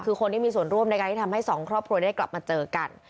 คือคนที่มีส่วนร่วมในการที่ทำให้สองครอบครัวได้กลับมาเจอกัน